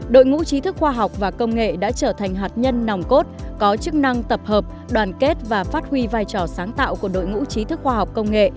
đội ngũ trí thức khoa học và công nghệ đã trở thành hạt nhân nòng cốt có chức năng tập hợp đoàn kết và phát huy vai trò sáng tạo của đội ngũ trí thức khoa học công nghệ